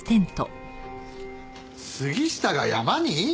杉下が山に！？